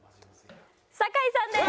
酒井さんです！